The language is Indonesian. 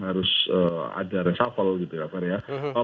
harus ada resafel gitu ya